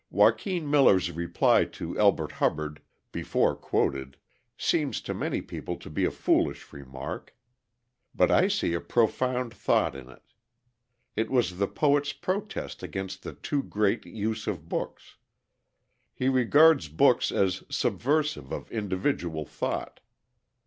Joaquin Miller's reply to Elbert Hubbard, before quoted, seems to many people to be a foolish remark. But I see a profound thought in it. It was the poet's protest against the too great use of books. He regards books as subversive of individual thought.